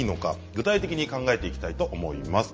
具体的に考えていきたいと思います。